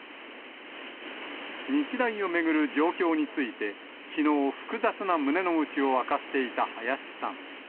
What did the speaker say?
日大を巡る状況について、きのう、複雑な胸の内を明かしていた林さん。